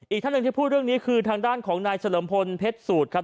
ท่านหนึ่งที่พูดเรื่องนี้คือทางด้านของนายเฉลิมพลเพชรสูตรครับ